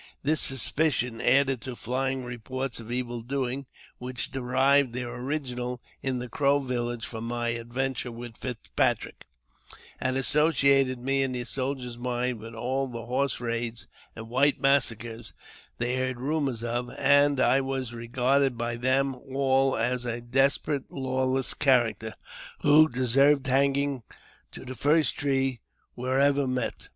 This suspicion, added to flying reports of evil doings, which derived their origin in the Crow village from my adventure with Fitzpatrick, had associated me in the soldiers' minds with all the horse raids and white massacres they heard rumours of, and I was regarded by them all as a desperate, lawless character, who deserved hanging to the first tree wherever met.